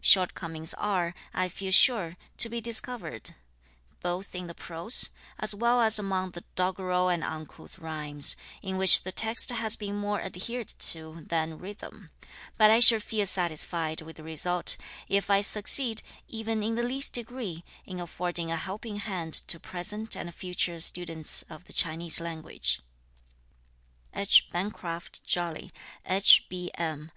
Shortcomings are, I feel sure, to be discovered, both in the prose, as well as among the doggerel and uncouth rhymes, in which the text has been more adhered to than rhythm; but I shall feel satisfied with the result, if I succeed, even in the least degree, in affording a helping hand to present and future students of the Chinese language. H. BENCRAFT JOLY, H.B.M.